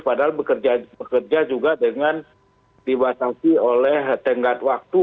padahal bekerja juga dengan dibatasi oleh tenggat waktu